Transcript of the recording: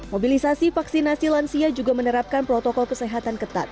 mobilisasi vaksinasi lansia juga menerapkan protokol kesehatan ketat